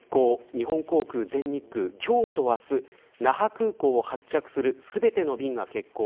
日本航空、全日空、今日と明日那覇空港を発着する全ての便が欠航。